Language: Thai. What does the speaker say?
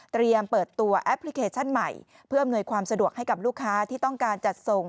เปิดตัวแอปพลิเคชันใหม่เพื่ออำนวยความสะดวกให้กับลูกค้าที่ต้องการจัดส่ง